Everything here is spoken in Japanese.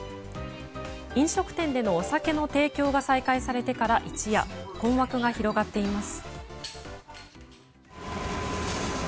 飲食店でのお酒の提供が再開されてから一夜困惑が広がっています。